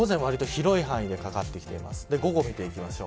午前わりと広い範囲でかかってきています。